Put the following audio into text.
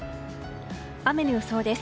雨の予想です。